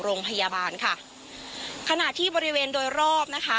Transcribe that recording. โรงพยาบาลค่ะขณะที่บริเวณโดยรอบนะคะ